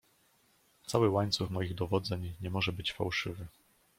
"Cały łańcuch moich dowodzeń nie może być fałszywy."